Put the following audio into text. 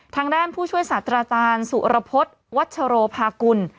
ทางด้านผู้ช่วยศาสตราจารย์สุรพฤษวัชโรภากุล